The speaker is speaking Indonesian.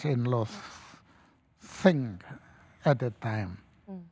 bagaimana orang tua saya berpikir pada waktu itu